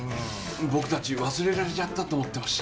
僕たち忘れられちゃったと思ってました。